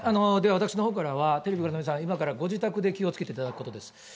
私のほうからはテレビをご覧の皆さん、今からご自宅で気をつけていただくことです。